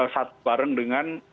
satu bareng dengan